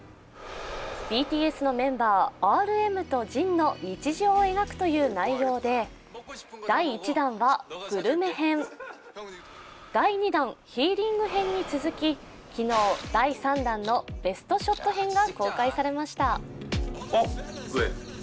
ＢＴＳのメンバーＲＭとＪＩＮの日常を描くという内容で第１弾はグルメ編、第２弾、ヒーリング編に続き昨日第３弾のベストショット編が公開されました。